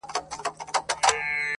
سوځېدل هم بې حکمته بې کماله نه دي یاره-